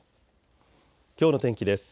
きょうの天気です。